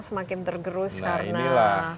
semakin tergerus karena